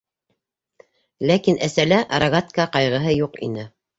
Ләкин әсәлә рогатка ҡайғыһы юҡ ине.